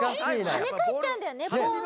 はねかえっちゃうんだよねポンッて。